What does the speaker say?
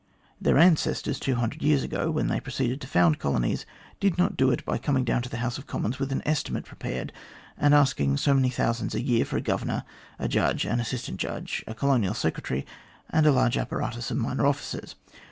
Their ancestors, 200 years ago, when they proceeded to found colonies, did not do it by coming down to the House of Commons with an estimate prepared, and asking so many thousands a year for a Governor, a Judge, an Assistant Judge, a Colonial Secretary,, and a large apparatus of minor officers.